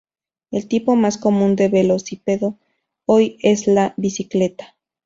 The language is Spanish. El tipo más común de velocípedo hoy es la bicicleta.